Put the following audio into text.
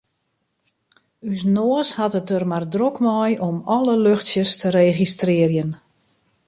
Us noas hat it der mar drok mei om alle luchtsjes te registrearjen.